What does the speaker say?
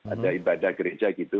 ada ibadah gereja gitu